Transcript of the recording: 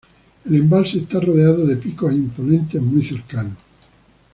El embalse está rodeado de picos imponentes muy cercanos.